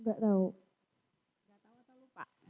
enggak tahu atau lupa